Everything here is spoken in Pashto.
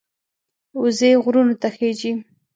وزې غرونو ته خېژي